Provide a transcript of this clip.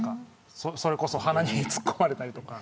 それこそ鼻に突っ込まれたりとか。